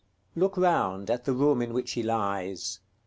§ XVII. Look round at the room in which he lies.